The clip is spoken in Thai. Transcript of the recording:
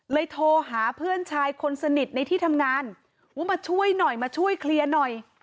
โทรหาเพื่อนชายคนสนิทในที่ทำงานว่ามาช่วยหน่อยมาช่วยเคลียร์หน่อย